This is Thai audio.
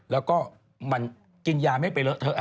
แล้วก็มันกินยาไม่ไปเลอะเถอะ